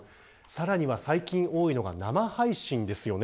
さらには最近多いのが生配信です。